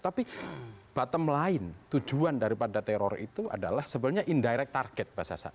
tapi bottom line tujuan daripada teror itu adalah sebenarnya indirect target mbak sasa